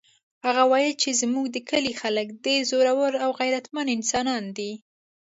هغه وایي چې زموږ د کلي خلک ډېر زړور او غیرتمن انسانان دي